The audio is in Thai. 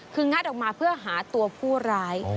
คืองัดออกมาเพื่อหาตัวผู้ร้าย